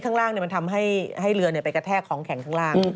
ข้างล่างมันทำให้เรือไปกระแทกของแข็งข้างล่าง